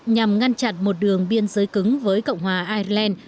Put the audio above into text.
nhằm ngăn chặn một đường biên giới cứng với cộng hòa ireland